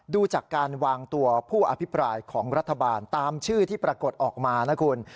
ดูจากการวางตัวผู้อภิปรายของรัฐบาลตามชื่อที่ปรากฏออกมานะคุณ